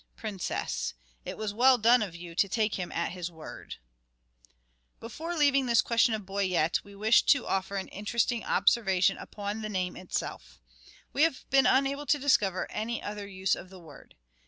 Princess : It was well done of you to take him at his word. Sir Thomas Before leaving this question of " Boyet " we wish to offer an interesting observation upon the name itself. We have been unable to discover any other use of the word.